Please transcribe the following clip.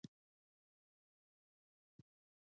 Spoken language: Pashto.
د کرنې مجلې شته؟